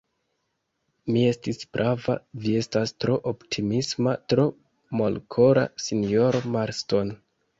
Mi estis prava; vi estas tro optimisma, tro molkora, sinjoro Marston.